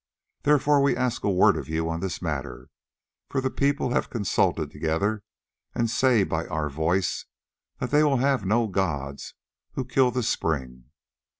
Therefore we ask a word of you on this matter, for the people have consulted together, and say by our voice that they will have no gods who kill the spring.